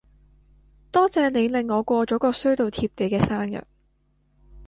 多謝你令我過咗個衰到貼地嘅生日